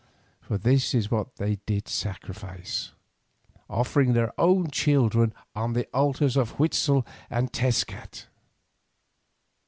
For this it was that they did sacrifice, offering their own children on the altars of Huitzel and of Tezcat.